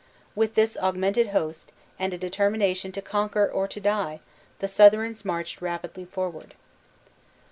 With this augmented host, and a determination to conquer or to die, the Southrons marched rapidly forward.